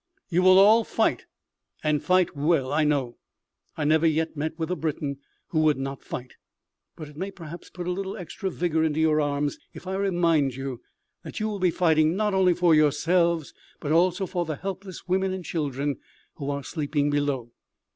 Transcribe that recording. You will all fight, and fight well, I know I never yet met with a Briton who would not fight but it may perhaps put a little extra vigour into your arms if I remind you that you will be fighting, not only for yourselves, but also for the helpless women and children who are sleeping below.